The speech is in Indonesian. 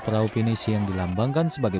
perahu pinisi yang dilambangkan sebagai